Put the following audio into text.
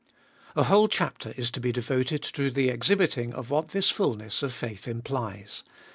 4. A whole chapter is to be devoted to the exhibiting of what this fulness of faith implies.